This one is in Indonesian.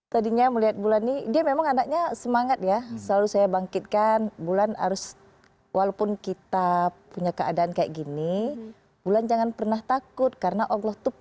tadinya melihat bulan ini dia memang anaknya semangat ya selalu saya bangkitkan bulan harus walaupun kita punya keadaan kayak gini bulan jangan pernah takut karena allah tuh